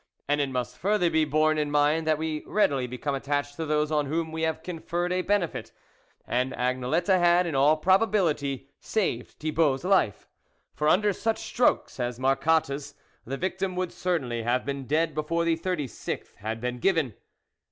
And it must further be borne in mind that we readily become attached to those on whom we have conferred a benefit, and Agnelette had, in all probability, saved Thibault's life ; for, under such strokes as Mar cotte's, the victim would certainly have been dead before the thirty sixth had been given.